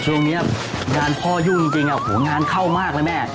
ช่วงนี้งานพ่อยุ่งจริงงานเข้ามากเลยแม่